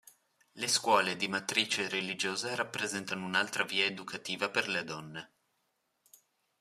Le scuole di matrice religiosa rappresentano un'altra via educativa per le donne.